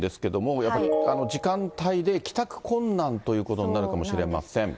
やっぱり時間帯で帰宅困難ということになるかもしれません。